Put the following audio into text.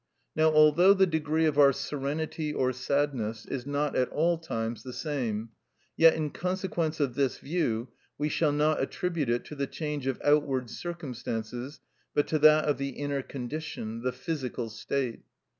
Now although the degree of our serenity or sadness is not at all times the same, yet, in consequence of this view, we shall not attribute it to the change of outward circumstances, but to that of the inner condition, the physical state.